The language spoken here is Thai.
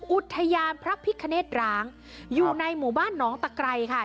อุทยานพระพิคเนตร้างอยู่ในหมู่บ้านหนองตะไกรค่ะ